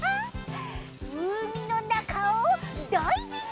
うみのなかをダイビング！